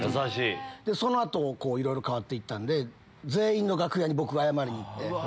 その後いろいろ変わったんで全員の楽屋に僕が謝り行って。